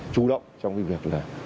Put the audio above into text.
chủ động trong việc